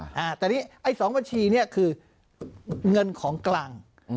แต่นี่ไอ้สองบัญชีเนี่ยคือเงินของกลาง